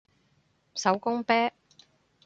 手工啤